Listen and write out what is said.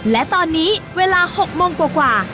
และตอนนี้เวลา๖โมงกว่า